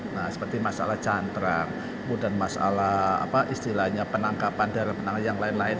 nah seperti masalah cantran kemudian masalah istilahnya penangkapan darah yang lain lain